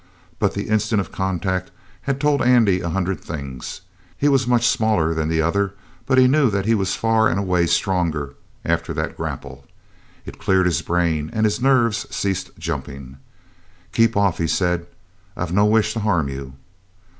But the instant of contact had told Andy a hundred things. He was much smaller than the other, but he knew that he was far and away stronger after that grapple. It cleared his brain, and his nerves ceased jumping. "Keep off," he said. "I've no wish to harm you."